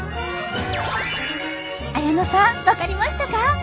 綾乃さん分かりましたか？